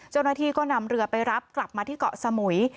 เจ้าหน้าที่ก็นำเรือไปรับกลับมาที่เกาะสมุย